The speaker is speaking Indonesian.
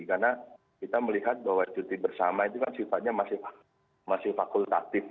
karena kita melihat bahwa cuti bersama itu kan sifatnya masih fakultatif